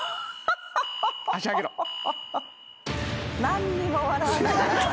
何にも笑わない。